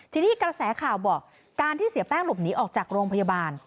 ทีนี้กระแสข่าวบอกการที่เสียแป้งหลบหนีออกจากโรงพยาบาล